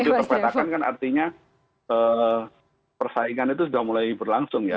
itu perpetakan kan artinya persaingan itu sudah mulai berlangsung ya